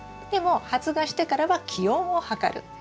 でも発芽してからは気温を測る。